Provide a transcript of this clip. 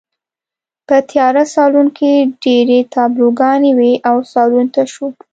په تیاره سالون کې ډېرې تابلوګانې وې او سالون تش و